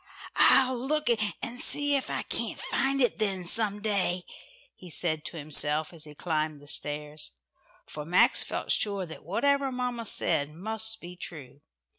"I'll look and see if I can't find it then, some day," he said to himself, as he climbed up stairs. For Max felt sure that whatever mamma said must be true.